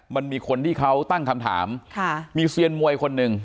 มันมีคนที่เขาตั้งคำถามมีเซียนมวยคนหนึ่ง